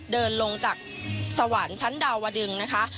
เดินลงจากสวรรค์ชั้นดาวดึงนะคะ